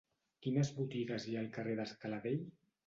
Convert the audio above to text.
Quines botigues hi ha al carrer de Scala Dei?